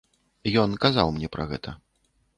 Ён казаў мне пра гэта.